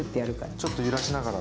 ちょっと揺らしながら。